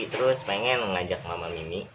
terus pengen mengajak mama mimi